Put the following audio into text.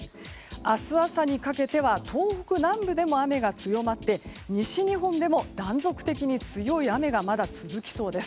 明日朝にかけては東北南部でも雨が強まって西日本でも断続的に強い雨がまだ続きそうです。